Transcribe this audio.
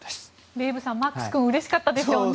デーブさん、マックス君うれしかったでしょうね。